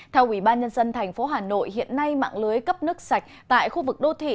theo ubnd tp hà nội hiện nay mạng lưới cấp nước sạch tại khu vực đô thị